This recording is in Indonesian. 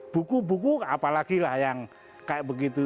buku buku apalagi lah yang kayak begitu